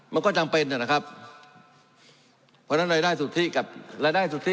มันก็จำเป็นนะครับเพราะฉะนั้นรายได้สุทธิกับรายได้สุทธิ